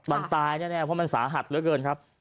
มันตายแน่เพราะมันสาหัสเหลือเกินครับ